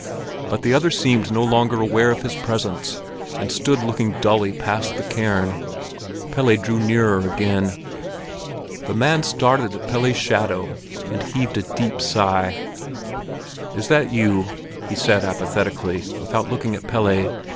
But the other seemed no longer aware of his presence, and stood looking dully past the cairn. Pelle drew nearer again. The man started at Pelle's shadow, and heaved a deep sigh. "Is that you?" he said apathetically, without looking at Pelle.